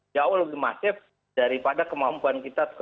jauh lebih masif daripada kemampuan kita